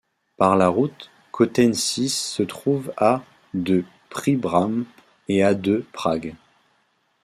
Par la route, Kotenčice se trouve à de Příbram et à de Prague.